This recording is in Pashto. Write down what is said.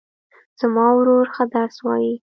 زما ورور ښه درس وایي